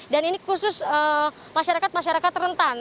dan ini khusus masyarakat masyarakat rentan